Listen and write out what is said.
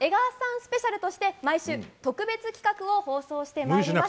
スペシャルとして毎週、特別企画を放送してまいります。